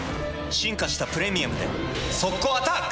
進化した「プレミアム」で速攻アタック！